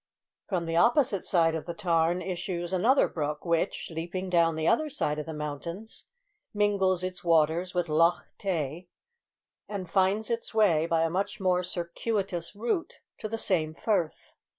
From the opposite side of the tarn issues another brook, which, leaping down the other side of the mountains, mingles its waters with Loch Tay, and finds its way, by a much more circuitous route, to the same firth.